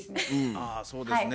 あそうですね。